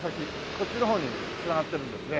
こっちの方に繋がってるんですね。